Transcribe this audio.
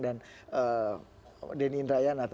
dan denny indrayana